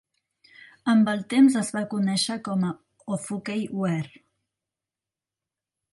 Amb el temps es va conèixer com a Ofukei ware.